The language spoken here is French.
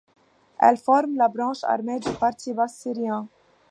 Elles forment la branche armée du Parti Baas syrien.